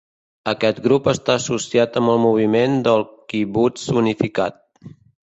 Aquest grup està associat amb el moviment del quibuts unificat.